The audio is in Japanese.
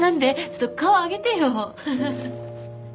ちょっと顔上げてよはははっ。